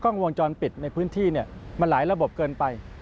กล้องวงจรปิดในพื้นที่มันหลายระบบเกินไป